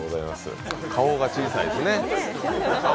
顔が小さいですね。